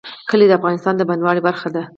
کلي د افغانستان د بڼوالۍ برخه ده.